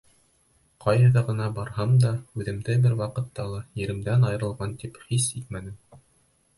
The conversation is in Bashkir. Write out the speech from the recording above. Ҡайҙа ғына барһам да, үҙемде бер ваҡытта ла еремдән айырылған тип хис итмәнем.